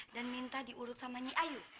dan minta diurut oleh nyia yu